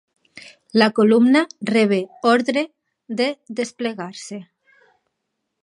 La columna rebé ordre de desplegar-se.